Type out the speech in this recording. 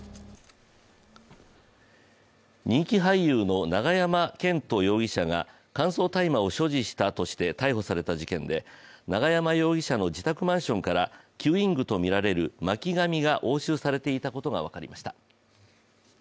人気俳優の永山絢斗容疑者が乾燥大麻を所持したとして逮捕された事件で永山容疑者の自宅マンションから吸引具とみられる巻紙が押収されていたことが分かりました。